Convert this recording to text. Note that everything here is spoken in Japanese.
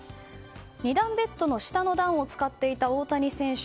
２段ベッドの下の段を使っていた大谷選手。